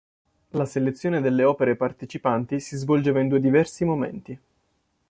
La selezione delle opere partecipanti si svolgeva in due diversi momenti.